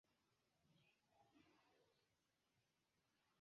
Al la partio nuntempe apartenas kvin deputitoj de la Nacia Asembleo de Kameruno.